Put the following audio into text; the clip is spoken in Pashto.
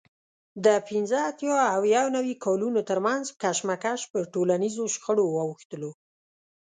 د پینځه اتیا او یو نوي کالونو ترمنځ کشمکش پر ټولنیزو شخړو واوښتلو